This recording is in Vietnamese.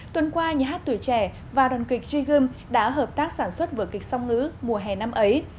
tuần qua nhà hát tuổi trẻ và đoàn kịch j gym đã hợp tác sản xuất vừa kịch song ngữ mùa hè năm ấy